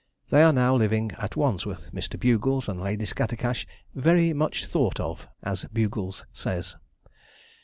They are now living at Wandsworth; Mr. Bugles and Lady Scattercash, very 'much thought of' as Bugles says.